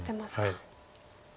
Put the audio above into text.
はい。